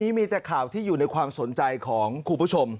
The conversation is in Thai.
มีแต่ข่าวที่อยู่ในความสนใจของคุณผู้ชม